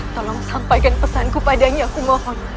tolong sampaikan pesanku padanya aku mohon